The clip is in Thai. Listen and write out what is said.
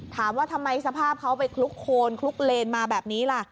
ถามว่าทำไมสภาพเขาไปคลุกโคนคลุกเลนมาแบบนี้ล่ะ